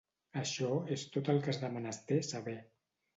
Això és tot el que has de menester saber.